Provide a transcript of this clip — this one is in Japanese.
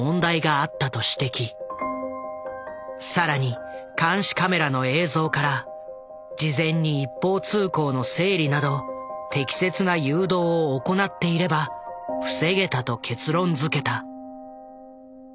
更に監視カメラの映像から事前に一方通行の整理など適切な誘導を行っていれば防げたと結論づけた。